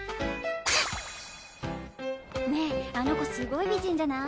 ねぇあの子すごい美人じゃない？